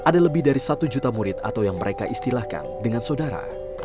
sh winongo menyebut ada lebih dari satu juta murid atau yang mereka istilahkan dengan sodara